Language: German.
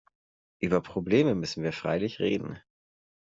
Über Probleme müssen wir freilich reden.